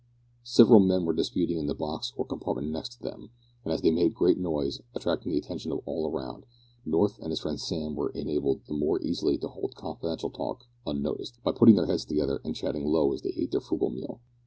Several men were disputing in the box or compartment next to them, and as they made a great noise, attracting the attention of all around, North and his friend Sam were enabled the more easily to hold confidential talk unnoticed, by putting their heads together and chatting low as they ate their frugal meal.